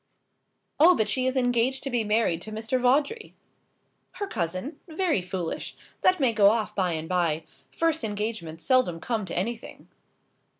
"Oh, but she is engaged to be married to Mr. Vawdrey." "Her cousin? Very foolish! That may go off by and by. First engagements seldom come to anything."